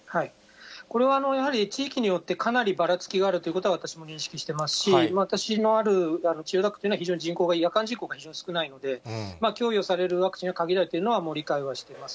これはやはり地域によって、かなりばらつきがあるということは、私も認識してますし、私のある千代田区というのは、非常に人口が、夜間人口が非常に少ないので、供与されるワクチンが限られているのはもう理解はしています。